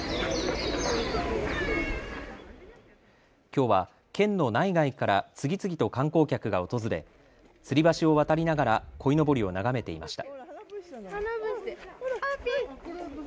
きょうは県の内外から次々と観光客が訪れつり橋を渡りながらこいのぼりを眺めていました。